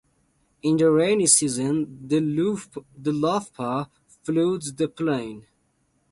In the rainy season the Lufupa floods the plain.